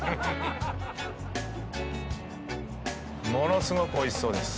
ものすごくおいしそうです。